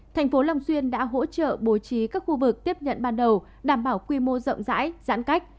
thành phố long xuyên đã hỗ trợ bố trí các khu vực tiếp nhận ban đầu đảm bảo quy mô rộng rãi giãn cách